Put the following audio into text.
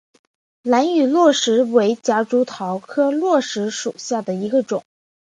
兰屿络石为夹竹桃科络石属下的一个种。